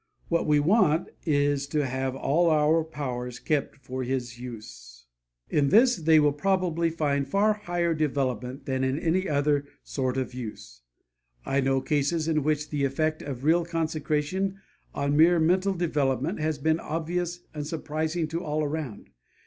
What we want is to have all our powers kept for His use. In this they will probably find far higher development than in any other sort of use. I know cases in which the effect of real consecration on mere mental development has been obvious and surprising to all around.